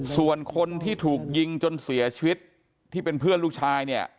ส่วนคนที่ถูกยิงจนเสียชีวิตที่เป็นเพื่อนลูกชายเนี่ย